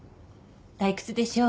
退屈でしょう？